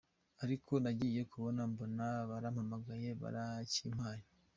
Ariko nagiye kubona mbona barampamagaye barakimpaye.